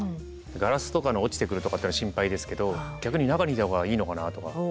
ガラスとかの落ちてくるとかっての心配ですけど逆に中にいたほうがいいのかなとか。